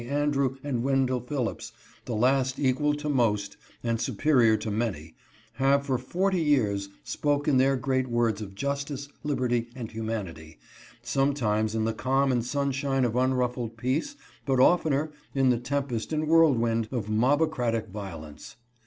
Andrew, and Wendell Phillips, the last equal to most, and superior to many, have for forty years spoken their great words of justice, liberty, and humanity, sometimes in the calm and sunshine of unruffled peace, but oftener in the tempest and whirlwind of mobocratic violence.